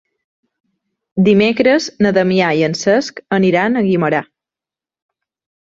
Dimecres na Damià i en Cesc aniran a Guimerà.